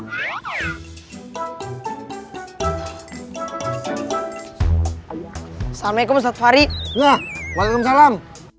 assalamualaikum ustadz farid waalaikumsalam